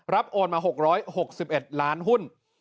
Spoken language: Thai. โอนมา๖๖๑ล้านหุ้น